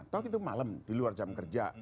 tau itu malem di luar jam kerja